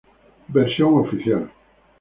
Versión oficial.